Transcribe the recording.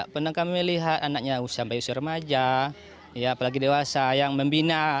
pernah kami lihat anaknya sampai usia remaja apalagi dewasa yang membina